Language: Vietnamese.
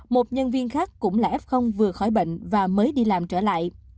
một nhân viên khác cũng là f vừa khỏi bệnh và mới đi làm trở lại